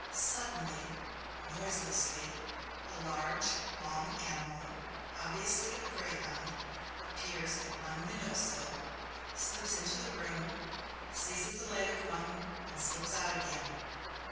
Suddenly, noiselessly, a large, long animal (obviously a greyhound) appears at one window sill, slips into the room, seizes the leg of mutton and slips out again.